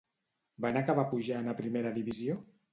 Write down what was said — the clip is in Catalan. Van acabar pujant a primera divisió?